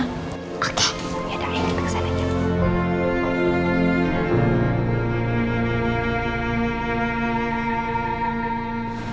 oke yaudah kita kesana